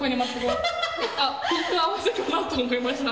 ピント合わせかなと思いました。